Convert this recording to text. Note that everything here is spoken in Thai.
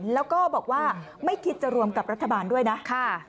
แล้วก็บอกว่าไม่คิดจะรวมกับรัฐบาลด้วยนะ